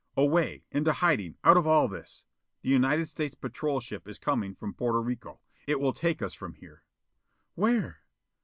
"Away. Into hiding out of all this. The United States patrol ship is coming from Porto Rico. It will take us from here." "Where?"